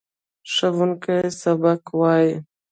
ښوونکی سبق وايي.